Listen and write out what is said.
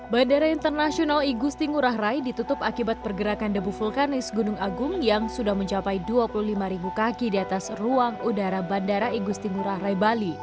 bandara internasional igusti ngurah rai ditutup akibat pergerakan debu vulkanis gunung agung yang sudah mencapai dua puluh lima kaki di atas ruang udara bandara igusti ngurah rai bali